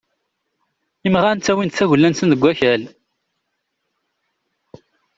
Imɣan ttawin-d tagella-nsen deg wakal.